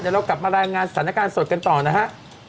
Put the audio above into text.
เดี๋ยวเรากลับมารายงานสถานการณ์สดกันต่อนะฮะ